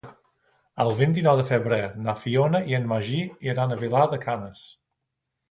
El vint-i-nou de febrer na Fiona i en Magí iran a Vilar de Canes.